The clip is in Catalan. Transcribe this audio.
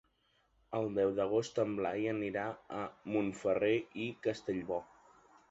El deu d'agost en Blai anirà a Montferrer i Castellbò.